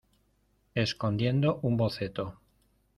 escondiendo un boceto.